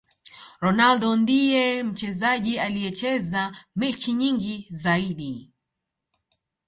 ronaldo ndiye mchezaji aliyecheza mechi nyingi zaidi